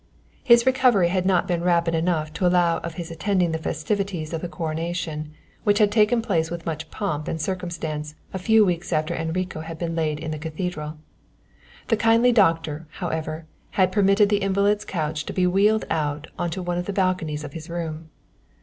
His recovery had not been rapid enough to allow of his attending the festivities of the Coronation, which had taken place with much pomp and circumstance a few weeks after Enrico had been laid in the Cathedral. The kindly doctor, however, had permitted the invalid's couch to be wheeled out on to one of the balconies of his room.